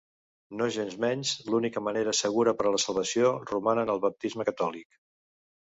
Nogensmenys, l'única manera segura per a la salvació roman en el baptisme catòlic.